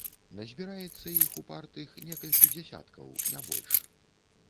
Назбіраецца іх, упартых, некалькі дзесяткаў, не больш.